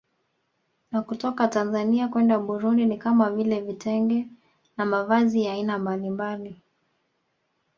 Na kutoka Tanzania kwenda Burundi kama vile Vitenge na mavazi ya aina mbalimbali